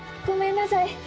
ごめんなさい！